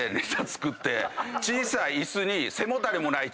小さい椅子に。